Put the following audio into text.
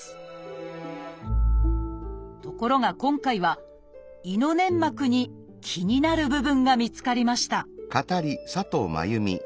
ところが今回は胃の粘膜に気になる部分が見つかりました